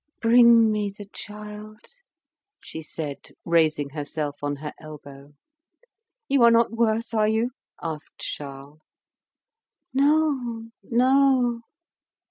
"Bring me the child," she said, raising herself on her elbow. "You are not worse, are you?" asked Charles. "No, no!"